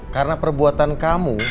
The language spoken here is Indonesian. karena perbuatan kamu